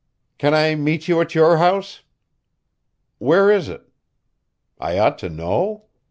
Can I meet you at your house? Where is it? I ought to know?